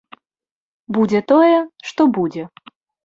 Будзе тое, што будзе.